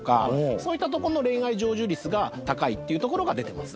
そういったとこの恋愛成就率が高いっていうところが出てます。